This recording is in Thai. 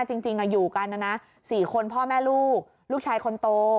จริงอยู่กันนะนะ๔คนพ่อแม่ลูกลูกชายคนโต